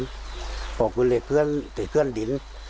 พอพระองค์กูเลยเผื่อแต่เคลื่อนดิน